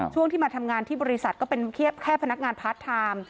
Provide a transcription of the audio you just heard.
ช่วงที่มาทำงานที่บริษัทก็เป็นแค่พนักงานพาร์ทไทม์